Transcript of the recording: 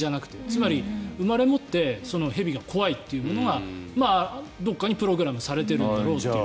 つまり、生まれ持って蛇が怖いというものがどこかにプログラムされているだろうという。